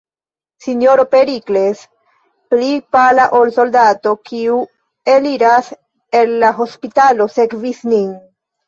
S-ro Perikles, pli pala ol soldato, kiu eliras el la hospitalo, sekvis nin.